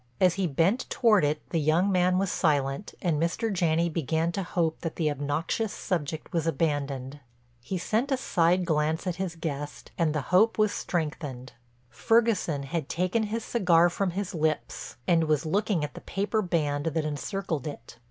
As he bent toward it the young man was silent and Mr. Janney began to hope that the obnoxious subject was abandoned. He sent a side glance at his guest and the hope was strengthened. Ferguson had taken his cigar from his lips and was looking at the paper band that encircled it.